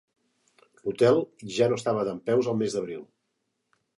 L'hotel ja no estava dempeus al mes d'abril.